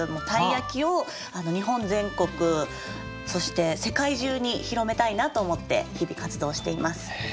鯛焼を日本全国そして世界中に広めたいなと思って日々活動しています。